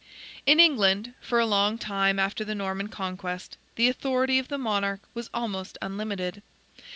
In England, for a long time after the Norman Conquest, the authority of the monarch was almost unlimited.